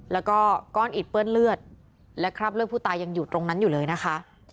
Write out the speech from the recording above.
แล้วก็ก้อนอิดเปื้อนเลือดและคราบเลือดผู้ตายยังอยู่ตรงนั้นอยู่เลยนะคะ